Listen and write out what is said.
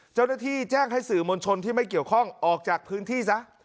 เจ้าหน้าที่แจ้งให้สื่อมวลชนที่ไม่เกี่ยวข้องออกจากพื้นที่ซะ